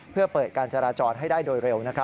เพื่อเปิดการจราจรให้ได้โดยเร็ว